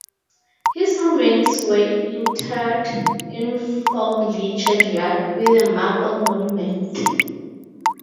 His remains were interred in Fawley churchyard, with a marble monument.